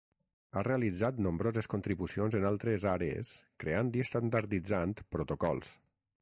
Ha realitzat nombroses contribucions en altres àrees creant i estandarditzant protocols.